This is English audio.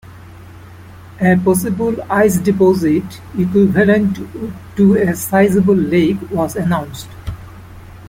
A possible ice deposit equivalent to a sizeable lake was announced.